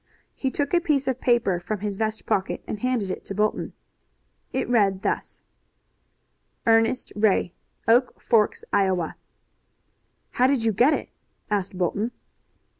He took a piece of paper from his vest pocket and handed it to Bolton. It read thus: "Ernest Ray, Oak Forks, Iowa." "How did you get it?" asked Bolton.